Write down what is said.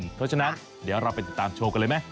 เพราะฉะนั้นเดี๋ยวเราไปติดตามโชว์กันเลยไหม